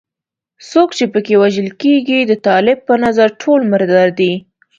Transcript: څوک چې په کې وژل کېږي د طالب په نظر ټول مردار دي.